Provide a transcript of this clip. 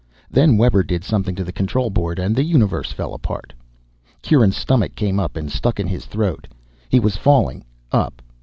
Then Webber did something to the control board and the universe fell apart. Kieran's stomach came up and stuck in his throat. He was falling up?